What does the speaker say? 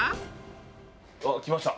あっきました。